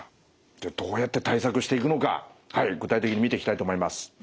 じゃあどうやって対策していくのか具体的に見ていきたいと思います。